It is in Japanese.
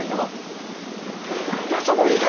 何だその言い方！